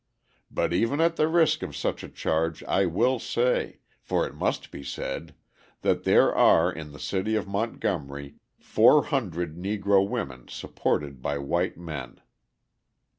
But even at the risk of such a charge I will say, for it must be said, that there are in the city of Montgomery, four hundred Negro women supported by white men."